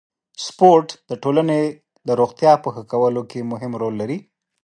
سپورت د ټولنې د روغتیا په ښه کولو کې مهم رول لري.